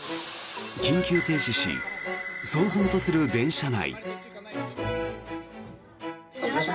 緊急停止し、騒然とする電車内。